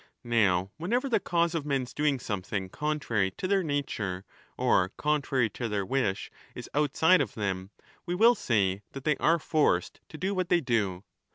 Now whenever the cause of men's doing something contrary to their nature or contrary to their wish is outside of them, we will say that they are forced ^ to do v/hat they do.